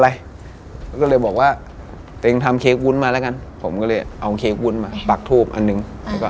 แล้วก็เอามันใส่ไว้น้ำหนัง